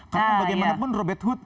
karena bagaimanapun robert hood sudah cukup